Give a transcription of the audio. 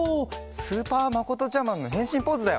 スーパーまことちゃマンのへんしんポーズだよ！